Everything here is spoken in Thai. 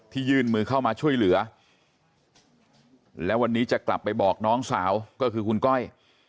ยื่นมือเข้ามาช่วยเหลือแล้ววันนี้จะกลับไปบอกน้องสาวก็คือคุณก้อย